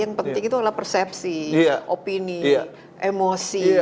yang penting itu adalah persepsi opini emosi